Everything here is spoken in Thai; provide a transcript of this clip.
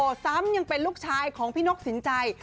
ซ้ำยังเป็นลูกชายของพี่นกสินใจ